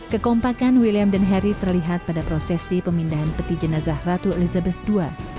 kekompakan william dan harry terlihat pada prosesi pemindahan peti jenazah ratu elizabeth ii